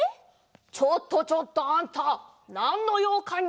ちょっとちょっとあんたなんのようかに？